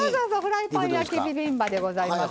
フライパン焼きビビンバでございますわ。